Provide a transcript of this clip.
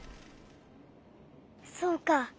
そうか。